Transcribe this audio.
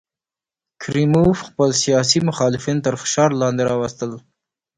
کریموف خپل سیاسي مخالفین تر فشار لاندې راوستل.